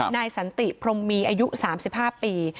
นายสันติพรมมีอายุ๓๕ปี